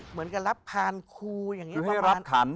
เหมือนกับรับพานครูอย่างนี้มาร้านขัน